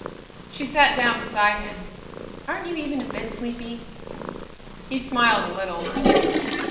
She sat down beside him. "Aren't you even a bit sleepy?" He smiled a little.